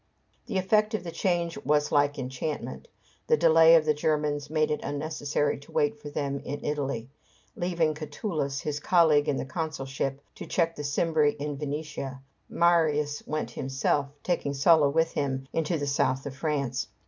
The effect of the change was like enchantment. The delay of the Germans made it unnecessary to wait for them in Italy. Leaving Catulus, his colleague in the consulship, to check the Cimbri in Venetia, Marius went himself, taking Sulla with him, into the south of France.